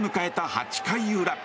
８回裏。